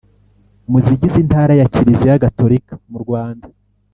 mu zigize Intara ya Kiliziya Gatolika mu Rwanda